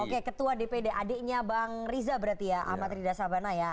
oke ketua dpd adiknya bang riza berarti ya ahmad riza sabana ya